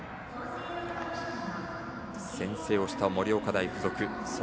先制した盛岡大付属。